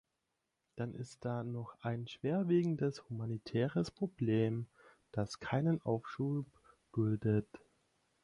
Dann ist da noch ein schwerwiegendes humanitäres Problem, das keinen Aufschub duldet.